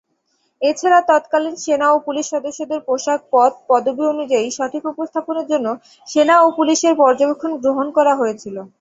এছাড়া, তৎকালীন সেনা ও পুলিশ সদস্যদের পোশাক, পদ, পদবী অনুযায়ী সঠিক উপস্থাপনের জন্য সেনা ও পুলিশের পর্যবেক্ষণ গ্রহণ করা হয়েছিল।